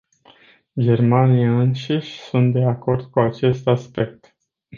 Germanii înșiși sunt de acord cu acest aspect.